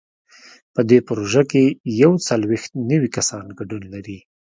په دې پروژه کې یو څلوېښت نوي کسان ګډون لري.